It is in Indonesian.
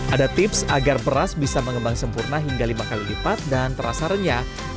ada tips agar beras bisa mengembang sempurna hingga lima kali lipat dan terasa renyah